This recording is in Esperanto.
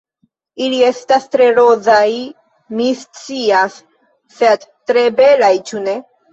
Ili estas tre rozaj, mi scias sed tre belaj, ĉu ne?